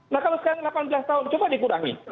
nah kalau sekarang delapan belas tahun coba dikurangi